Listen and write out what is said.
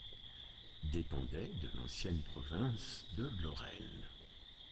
Dépendait de l'ancienne province de Lorraine.